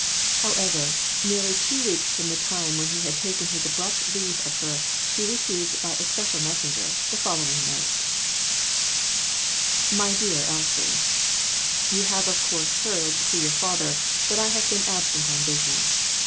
However, nearly two weeks from the time when he had taken his abrupt leave of her she received by a special messenger, the following note MY DEAR ELSIE: You have of course heard, through your father, that I have been absent on business.